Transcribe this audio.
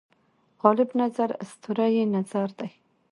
غالب نظر اسطوره یي نظر دی.